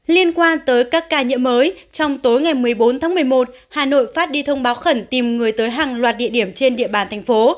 liên quan tới các ca nhiễm mới trong tối ngày một mươi bốn tháng một mươi một hà nội phát đi thông báo khẩn tìm người tới hàng loạt địa điểm trên địa bàn thành phố